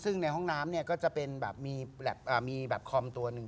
ซึ่งในห้องน้ำเนี่ยก็จะเป็นแบบมีแบบคอมตัวหนึ่ง